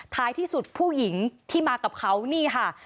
ท้ายที่สุดผู้หญิงที่มากับเขานี่ค่ะ